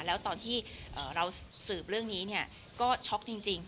แล้วตอนที่เราสืบเรื่องนี้เนี่ยก็ช็อกจริง